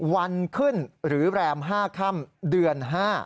วันขึ้นหรือแรม๕ค่ำเดือน๕